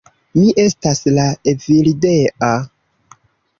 Mi estas la Evildea.